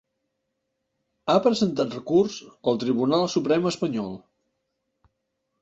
Ha presentat recurs al Tribunal Suprem espanyol.